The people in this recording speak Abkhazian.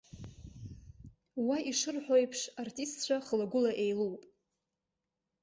Уа, ишырҳәо еиԥш, артистцәа хылагәыла еилоуп.